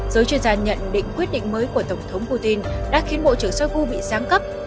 giới chuyên gia nhận định quyết định mới của tổng thống putin đã khiến bộ trưởng shoigu bị sáng cấp